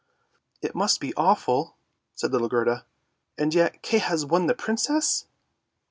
" It must be awful! " said little Gerda, " and yet Kay has won the Princess!